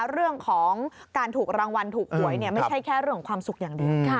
เรื่องของการถูกรางวัลถูกหวยไม่ใช่แค่เรื่องของความสุขอย่างเดียว